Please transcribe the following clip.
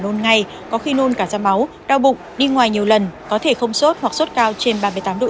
nôn ngay có khi nôn cả ra máu đau bụng đi ngoài nhiều lần có thể không sốt hoặc sốt cao trên ba mươi tám độ